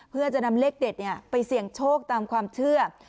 เพื่อจะนำเลขเด็ดไปเสี่ยงโชคตามความเชื่อ